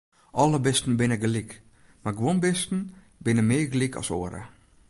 Alle bisten binne gelyk, mar guon bisten binne mear gelyk as oare.